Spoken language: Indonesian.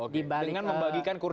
dengan membagikan kursi kursi